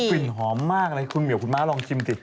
กลิ่นหอมมากอะไรคุณเหมียวคุณม้าลองชิมสิ